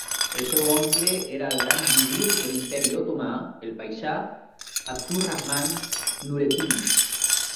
El seu oncle era el gran visir de l'imperi otomà, el paixà Abdurrahman Nurettin.